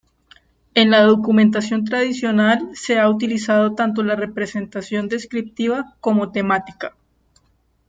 En la documentación tradicional, se ha utilizado tanto la representación descriptiva como temática.